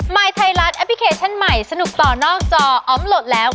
ยไทยรัฐแอปพลิเคชันใหม่สนุกต่อนอกจออมโหลดแล้ว